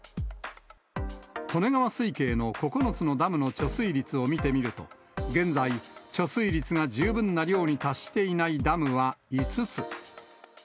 利根川水系の９つのダムの貯水率を見てみると、現在、貯水率が十分な量に達していないダムは５つ。